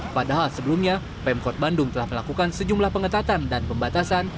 padahal sebelumnya pemkot bandung telah melakukan sejumlah pengetatan dan pembatasan